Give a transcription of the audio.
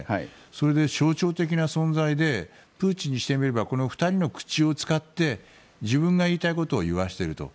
それで象徴的な存在でプーチンにしてみればこの２人の口を使って自分が言いたいことを言わせていると。